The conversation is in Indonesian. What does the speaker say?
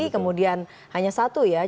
kemudian hanya satu ya